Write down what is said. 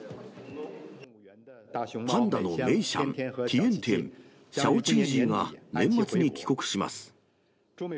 パンダのメイシャン、ティエンティエン、シャオチージーが年末に帰国します。